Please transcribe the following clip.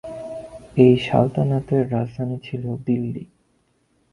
এই সালতানাতের রাজধানী ছিল দিল্লি।